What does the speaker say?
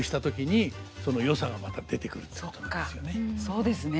そうですね。